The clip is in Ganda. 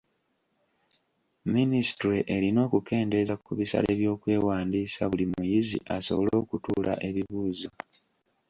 Minisitule erina okukendeeza ku bisale by'okwewandiisa buli muyizi asobole okutuula ebibuuzo.